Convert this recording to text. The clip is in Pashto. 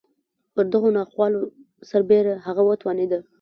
پر دغو ناخوالو سربېره هغه وتوانېده.